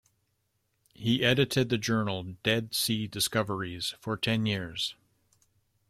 He edited the journal "Dead Sea Discoveries" for ten years.